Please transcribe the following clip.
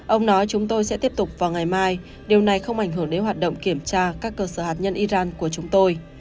ông nói chúng tôi sẽ tiếp tục vào ngày mai điều này không ảnh hưởng đến hoạt động kiểm tra các cơ sở hạt nhân iran của chúng tôi